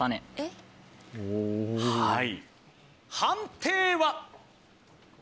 判定は？